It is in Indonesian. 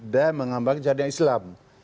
dan mengambang syariah islam